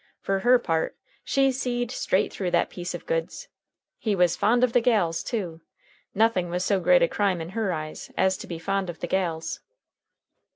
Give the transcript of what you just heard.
Fer her part, she seed straight through that piece of goods. He was fond of the gals, too! Nothing was so great a crime in her eyes as to be fond of the gals.